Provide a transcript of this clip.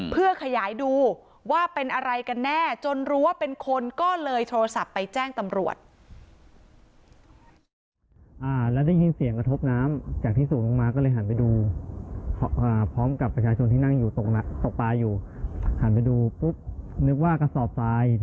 เพื่อขยายดูว่าเป็นอะไรกันแน่จนรู้ว่าเป็นคนก็เลยโทรศัพท์ไปแจ้งตำรวจ